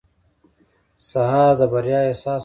سهار د بریا احساس راوړي.